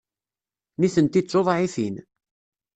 Nitenti d tuḍɛifin.